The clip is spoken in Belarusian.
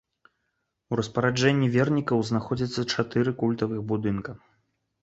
У распараджэнні вернікаў знаходзіцца чатыры культавых будынка.